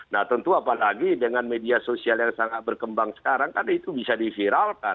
nah tentu apalagi dengan media sosial yang sangat berkembang sekarang kan itu bisa diviralkan